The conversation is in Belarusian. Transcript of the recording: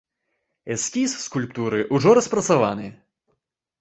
Эскіз скульптуры ўжо распрацаваны.